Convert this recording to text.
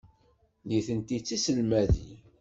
Nitenti d tiselmadin.